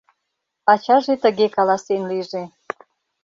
Ачаже тыге каласен лийже: